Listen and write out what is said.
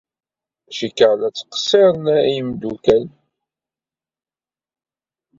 Cikkeɣ la tettqeṣṣirem a timeddukal.